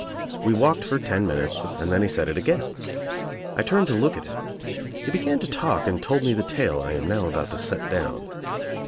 We walked for ten minutes and then he said it again. I turned to look at him. He began to talk and told me the tale I am now about to set down.